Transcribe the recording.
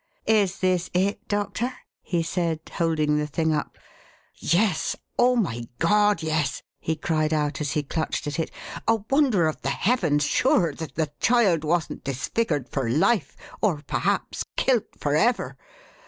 "Is this it, Doctor?" he said, holding the thing up. "Yes! Oh, my God, yes!" he cried out as he clutched at it. "A wonder of the heavens, sure, that the child wasn't disfigured for life or perhaps kilt forever.